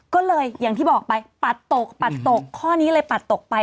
ก็เลยอย่างที่บอกไปปัดตกปัดตกข้อนี้เลยปัดตกไป